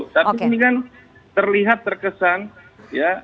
tapi ini kan terlihat terkesan ya